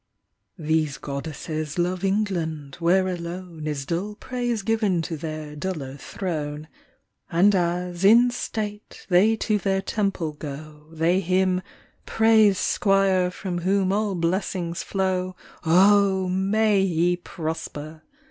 These Goddesses love England, where alone Is Dull praise given to their Duller throne; And as, in state, they to their temple go. They hymn " Praise Squire from whom all blessings flow, Oh, may he prosper